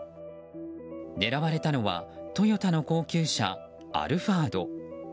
狙われたのはトヨタの高級車アルファード。